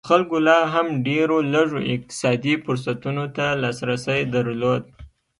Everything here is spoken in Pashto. خلکو لا هم ډېرو لږو اقتصادي فرصتونو ته لاسرسی درلود.